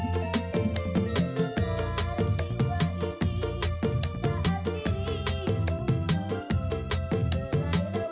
kamu kagetan gila